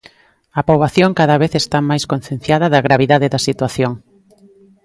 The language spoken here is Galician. A poboación cada vez está máis concienciada da gravidade da situación.